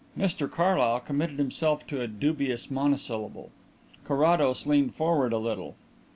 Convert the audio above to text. Mr Carlyle committed himself to a dubious monosyllable. Carrados leaned forward a little.